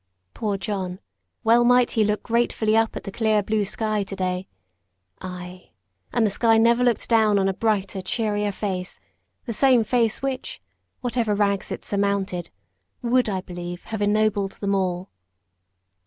Poor John! well might he look gratefully up at the clear blue sky to day; ay, and the sky never looked down on a brighter, cheerier face, the same face which, whatever rags it surmounted, would, I believe, have ennobled them all.